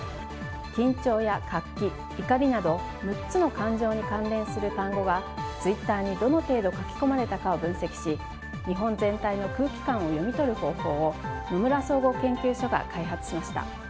緊張や活気、怒りなど６つの感情に関連する単語がツイッターに、どの程度書き込まれたかを分析し日本全体の空気感を読み取る方法を野村総合研究所が開発しました。